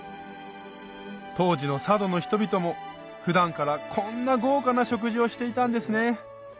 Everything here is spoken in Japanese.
当時の佐渡の人々も普段からこんな豪華な食事をしていたんですね